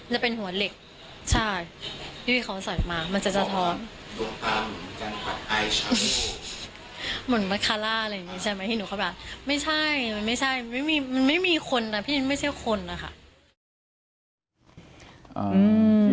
มันไม่มีคนนะพี่ยังไม่เชื่อคนนะค่ะ